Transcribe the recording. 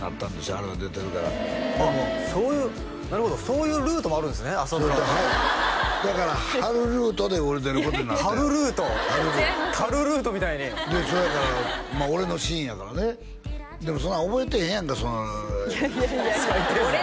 波瑠が出てるからあっそういうなるほどそういうルートもあるんですね朝ドラってだから波瑠ルートで俺出ることになって波瑠ルート違いますでそやから俺のシーンやからねでもそんな覚えてへんやんかその最低ですね